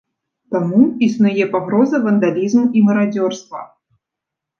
Таму існуе пагроза вандалізму і марадзёрства.